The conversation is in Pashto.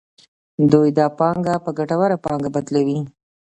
دوی دا پانګه په ګټوره پانګه بدلوي